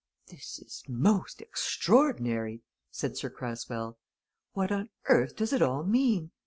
"This is most extraordinary!" said Sir Cresswell. "What on earth does it all mean?